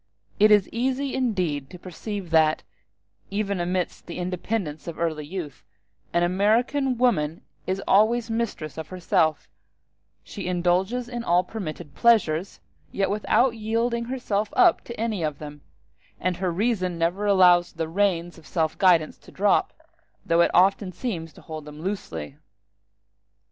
It is easy indeed to perceive that, even amidst the independence of early youth, an American woman is always mistress of herself; she indulges in all permitted pleasures, without yielding herself up to any of them; and her reason never allows the reins of self guidance to drop, though it often seems to hold them loosely.